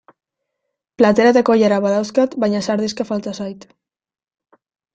Platera eta koilara badauzkat baina sardexka falta zait.